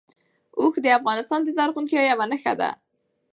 اوښ د افغانستان د زرغونتیا یوه نښه ده.